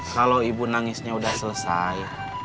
kalau ibu nangisnya sudah selesai